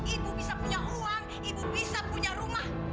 ibu bisa punya uang ibu bisa punya rumah